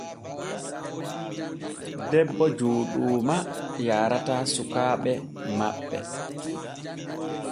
Debbo Jooɗooma yaarataa sukaaɓe maɓɓe.